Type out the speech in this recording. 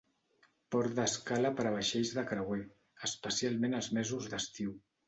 Port d'escala per a vaixells de creuer, especialment als mesos d'estiu.